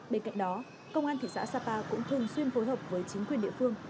bên cạnh đó công an thị xã sapa cũng thường xuyên phối hợp với chính quyền địa phương